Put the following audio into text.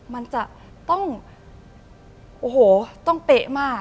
มันจะต้องโอ้โหต้องเป๊ะมาก